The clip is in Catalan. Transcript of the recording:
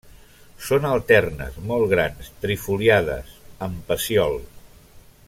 Són alternes, molt grans, trifoliades, amb pecíol.